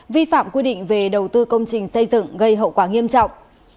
vi phạm quy định về đầu tư công trình xây dựng gây hậu quả nghiêm trọng